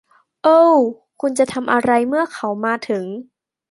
โอ้คุณจะทำอะไรเมื่อเขามาถึง